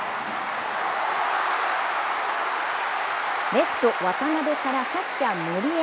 レフト・渡部からキャッチャー・森へ。